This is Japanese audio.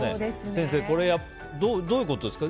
先生、どういうことですか？